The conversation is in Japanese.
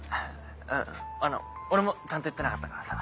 ううん俺もちゃんと言ってなかったからさ。